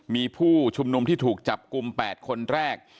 มีผู้ชุมนุมที่ถูกจับกลุ่ม๘คนแรก